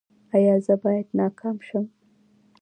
ایا زه باید ناکام شم؟